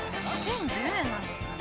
２０１０年なんですね。